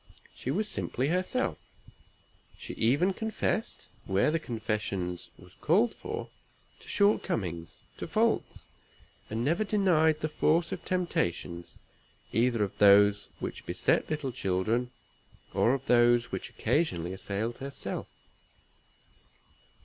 She was simply herself; she even confessed (where the confession was called for) to short comings, to faults, and never denied the force of temptations, either of those which beset little children, or of those which occasionally assailed herself.